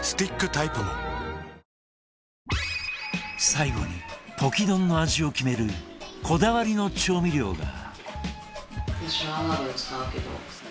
最後にポキ丼の味を決めるこだわりの調味料が。